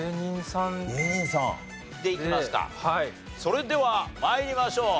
それでは参りましょう。